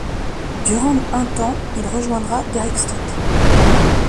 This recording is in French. Durant un temps, il rejoindra Derek St.